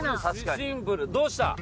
シンプルどうした？